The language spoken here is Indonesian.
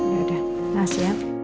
ya udah terima kasih ya